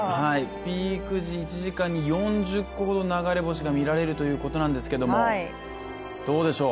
ピーク時、１時間に４０個ほど流れ星が見られることですけど、どうでしょう。